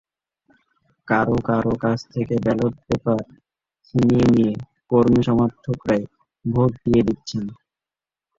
কারও কারও কাছ থেকে ব্যালট পেপার ছিনিয়ে নিয়ে কর্মী-সমর্থকেরাই ভোট দিয়ে দিচ্ছেন।